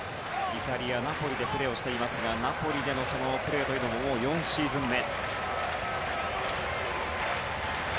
イタリアのナポリでプレーしていますがナポリでのプレーももう４シーズン目。